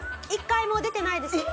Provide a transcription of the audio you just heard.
１回も出てないんですよ。